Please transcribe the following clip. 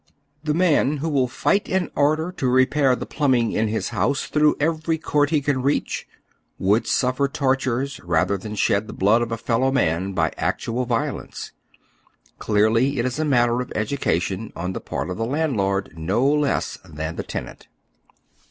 The man who will fight an order to repair the plumbing in his house through every coiii't he can reach, would suffer tortures rather than shed the blood of a fellow man by actual violence. Clearly, it is a matter of education on the part of the landlord no less than the tenant.